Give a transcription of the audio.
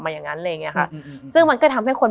มันทำให้ชีวิตผู้มันไปไม่รอด